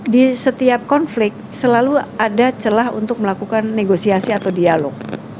di setiap konflik selalu ada celah untuk melakukan negosiasi atau dialog